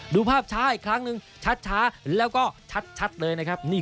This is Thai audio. ดูภาพช้าอีกครั้งหนึ่งชัดแล้วก็ชัดเลยนะครับ